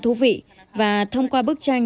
thú vị và thông qua bức tranh